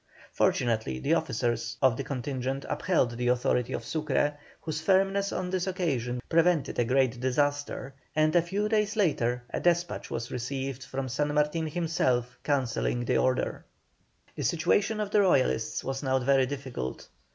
Fortunately the officers of the contingent upheld the authority of Sucre, whose firmness on this occasion prevented a great disaster, and a few days later a despatch was received from San Martin himself cancelling the order. The situation of the Royalists was now very difficult.